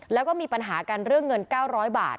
แล้วก็มีปัญหากันเรื่องเงิน๙๐๐บาท